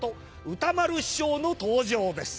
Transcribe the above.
歌丸師匠の登場です。